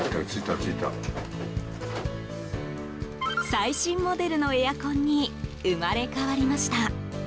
最新モデルのエアコンに生まれ変わりました。